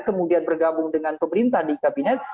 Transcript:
kemudian bergabung dengan pemerintah di kabinet